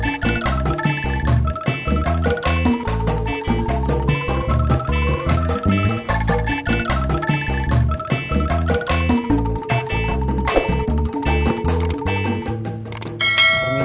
kamu tetep menerima maksa